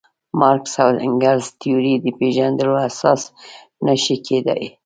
مارکس او انګلز تیورۍ د پېژندلو اساس نه شي کېدای.